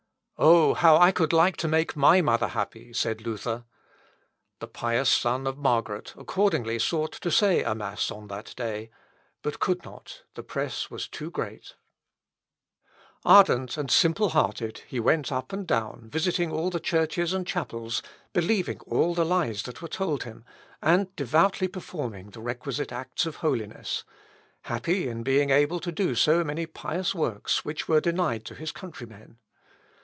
"Oh! how I could like to make my mother happy!" said Luther. The pious son of Margaret accordingly sought to say a mass on that day, but could not; the press was too great. Luth. Op. (W.) Dedication of, 117 pages, vol. vi, L. G. Ardent and simple hearted, he went up and down, visiting all the churches and chapels, believing all the lies that were told him, and devoutly performing the requisite acts of holiness; happy in being able to do so many pious works, which were denied to his countrymen.